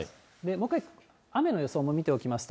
もう一回、雨の予想を見ておきますと。